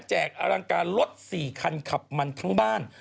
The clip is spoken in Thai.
กำลังการรถ๔คันขับมันทั้งบ้าน